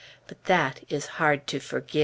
But that is hard to forgive.